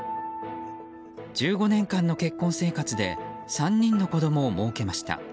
１５年間の結婚生活で３人の子供をもうけました。